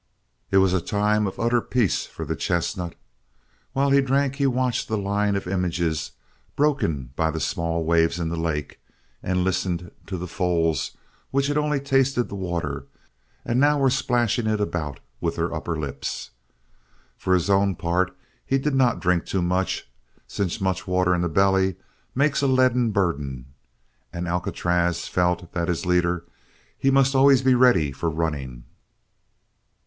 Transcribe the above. It was a time of utter peace for the chestnut. While he drank he watched the line of images broken by the small waves in the lake and listened to the foals which had only tasted the water and now were splashing it about with their upper lips. For his own part he did not drink too much, since much water in the belly makes a leaden burden and Alcatraz felt that, as leader, he must always be ready for running.